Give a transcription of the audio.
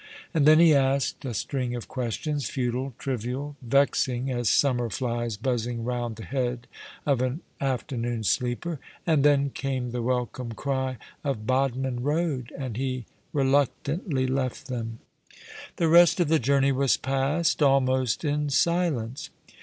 And then he asked a string of questions — futile, trivial, vexing as summer flies buzzing round the head of an after noon sleeper; and then came the welcome cry of Bodmin Eoad, and he reluctantly left them. The rest of the journey was passed almost in silence.